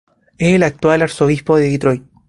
Es el actual Arzobispo de Detroit.